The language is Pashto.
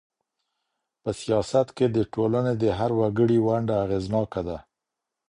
په سياست کي د ټولني د هر وګړي ونډه اغېزناکه ده.